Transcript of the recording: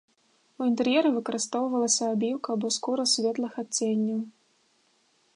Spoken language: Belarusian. У інтэр'еры выкарыстоўвалася абіўка або скура светлых адценняў.